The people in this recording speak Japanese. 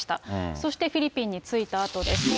そしてフィリピンに着いたあとです。